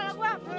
eh takut apa ya